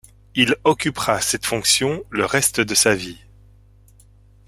Il occupera cette fonction le reste de sa vie.